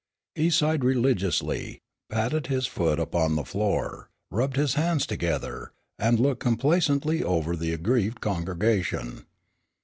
He sighed religiously, patted his foot upon the floor, rubbed his hands together, and looked complacently over the aggrieved congregation.